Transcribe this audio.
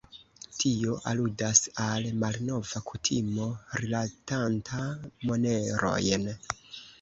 Tio aludas al malnova kutimo rilatanta monerojn.